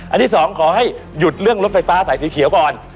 ที่สองขอให้หยุดเรื่องรถไฟฟ้าสายสีเขียวก่อน